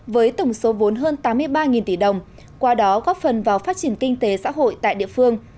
với tổng số vốn hơn tám mươi ba tỷ đồng qua đó góp phần vào phát triển kinh tế xã hội tại địa phương